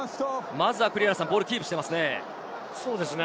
まずはボールをキープしていますね。